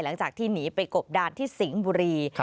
หลังจากที่หนีไปกบดานที่สิงห์บุรี